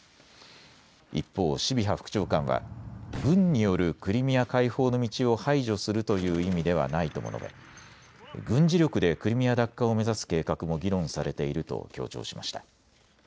一方、シビハ副長官は軍によるクリミア解放の道を排除するという意味ではないとも述べ、軍事力でクリミア奪還を目指す計画も議論されていると強調しました。